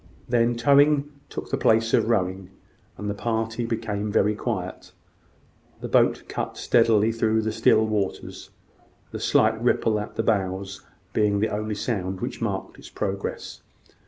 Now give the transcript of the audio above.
Then towing took the place of rowing, and the party became very quiet. The boat cut steadily through the still waters, the slight ripple at the bows being the only sound which marked its progress.